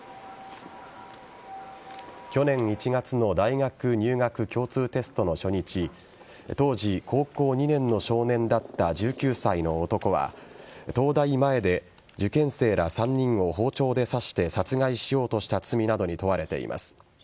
去年１月の大学入学共通テストの初日当時、高校２年の少年だった１９歳の男は東大前で受験生ら３人を包丁で刺して殺害しようとした罪などに問われています。